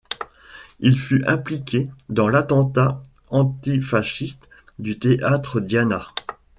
Il fut impliqué dans l'attentat antifasciste du théâtre Diana.